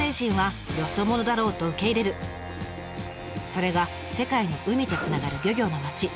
それが世界の海とつながる漁業の町